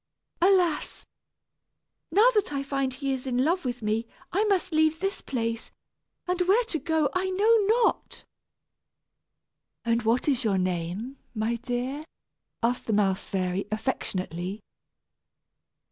Alas! now that I find he is in love with me, I must leave this place, and where to go I know not." "And what is your name, my dear?" asked the mouse fairy, affectionately.